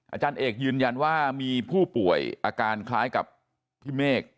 อาจารย์เอกยืนยันว่ามีผู้ป่วยอาการคล้ายกับพี่เมฆ